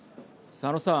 佐野さん。